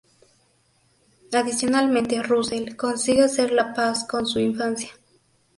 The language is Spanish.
Adicionalmente Russell consigue hacer la paz con su infancia.